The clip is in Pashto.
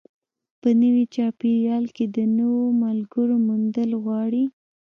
په نوي چاپېریال کې د نویو ملګرو موندل غواړي.